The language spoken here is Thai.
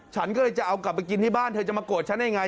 ฉันก็เลยจะเอากลับไปกินที่บ้านเธอจะมาโกรธฉันยังไง